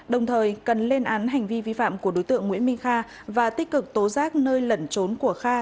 đồng thời cần lên án hành vi vi phạm của đối tượng nguyễn minh kha và tích cực tố giác nơi lẩn trốn của kha